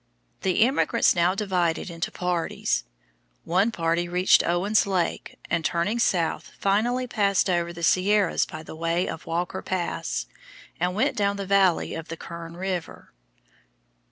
The emigrants now divided into parties. One party reached Owens Lake, and turning south, finally passed over the Sierras by the way of Walkers Pass and went down the valley of the Kern River.